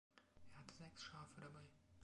Er hatte sechs Schafe dabei.